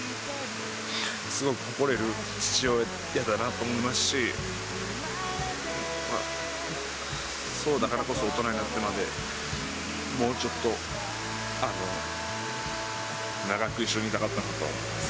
すごく誇れる父親だなと思いますし、そうだからこそ大人になってまで、もうちょっと、長く一緒にいたかったなと思います。